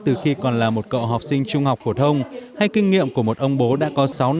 từ khi còn là một cậu học sinh trung học phổ thông hay kinh nghiệm của một ông bố đã có sáu năm nuôi dạy con